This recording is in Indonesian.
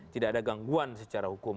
tidak ada gangguan secara hukum